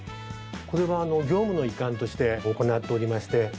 これは業務の一環として行っておりまして。